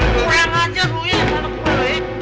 kamu kurang lagi